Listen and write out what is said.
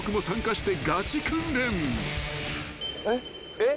えっ？